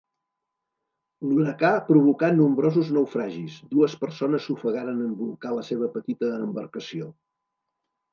L'huracà provocà nombrosos naufragis; dues persones s'ofegaren en bolcar la seva petita embarcació.